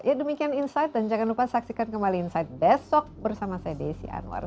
ya demikian insight dan jangan lupa saksikan kembali insight besok bersama saya desi anwar